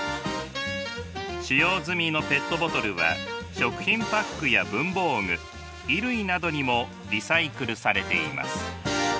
使用済みのペットボトルは食品パックや文房具衣類などにもリサイクルされています。